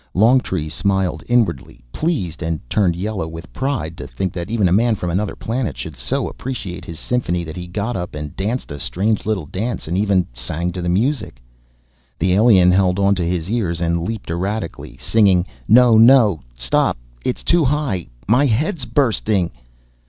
Longtree smiled inwardly, pleased, and turned yellow with pride to think even a man from another planet should so appreciate his symphony that he got up and danced a strange dance and even sang to the music. The alien held onto his ears and leaped erratically, singing, "No, no, stop it. It's too high. My head's bursting!"